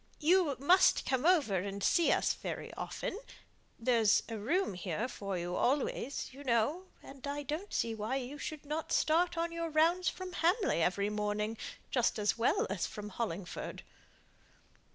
You must come over and see us very often. There's a room here for you always, you know; and I don't see why you should not start on your rounds from Hamley every morning, just as well as from Hollingford."